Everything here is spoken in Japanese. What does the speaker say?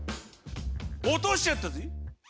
落としちゃったぜ。